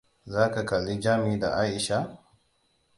Za ka kalli Jami da Aisha?